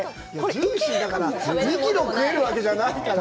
ジューシーだから２キロ、食えるわけじゃないから！